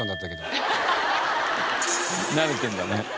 慣れてるんだね。